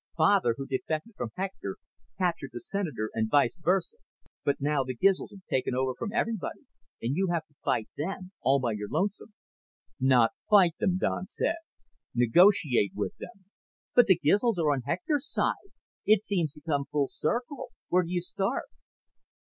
Father, who defected from Hector, captured the Senator and vice versa. But now the Gizls have taken over from everybody and you have to fight them all by your lonesome." "Not fight them," Don said. "Negotiate with them." "But the Gizls are on Hector's side. It seems to come full circle. Where do you start?"